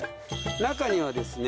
中にはですね